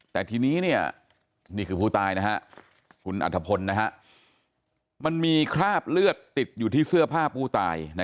แต่ทีนี้นี่คือผู้ตายนะฮะคุณอัธพลมันมีคราบเลือดติดอยู่ที่เสื้อผ้าผู้ตาย